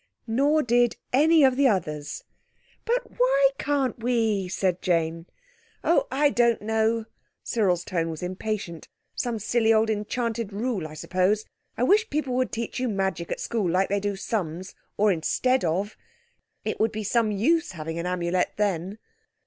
Nor did any of the others! "But why can't we?" said Jane. "Oh, I don't know," Cyril's tone was impatient, "some silly old enchanted rule I suppose. I wish people would teach you magic at school like they do sums—or instead of. It would be some use having an Amulet then."